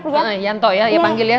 pak yanto ya ya panggil ya